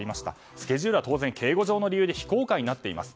スケジュールは当然、警護上の理由で非公開になっています。